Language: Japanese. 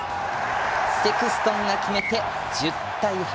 セクストンが決めて１０対８。